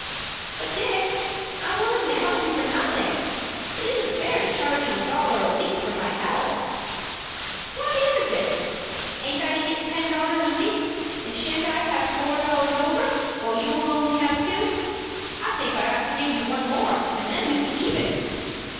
"But, Dick, I'm willing to help you for nothing. It isn't fair to charge you a dollar a week for my help." "Why isn't it? Aint I to get ten dollars a week, and shan't I have four dollars over, while you will only have two? I think I ought to give you one more, and then we'd be even."